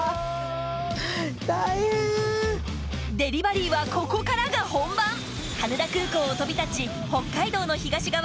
デリバリーはここからが本番羽田空港を飛び立ち北海道の東側